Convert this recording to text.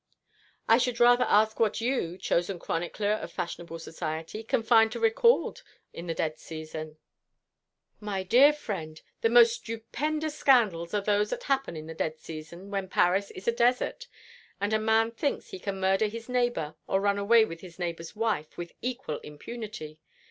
"I should rather ask what you, chosen chronicler of fashionable society, can find to record in the dead season?" "My dear friend, the most stupendous scandals are those that happen in the dead season, when Paris is a desert, and a man thinks he can murder his neighbour or run away with his neighbour's wife with equal impunity.